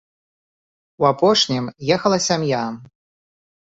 У апошнім ехала сям'я.